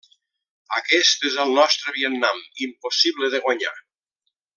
Aquest és el nostre Vietnam, impossible de guanyar.